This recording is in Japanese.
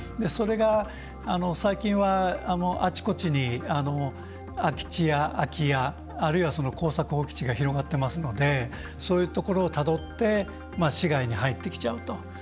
それが、最近はあちこちに空き地や空き家あるいは耕作放棄地が広がってますのでそういうところをたどって市街に入ってきちゃうと。